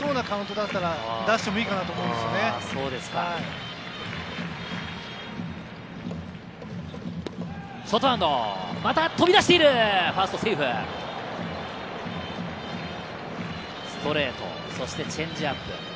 ストレート、そしてチェンジアップ。